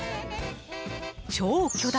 超巨大！